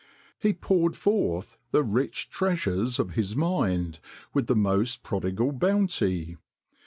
He poured forth the rich treasures of his mind with the most prodigal bounty.